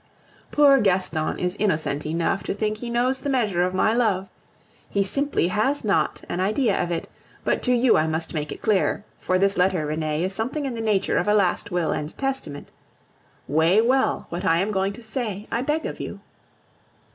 Poor Gaston is innocent enough to think he knows the measure of my love! He simply has not an idea of it, but to you I must make it clear; for this letter, Renee, is something in the nature of a last will and testament. Weigh well what I am going to say, I beg of you.